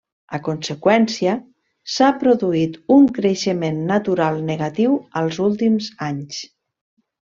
A conseqüència, s'ha produït un creixement natural negatiu als últims anys.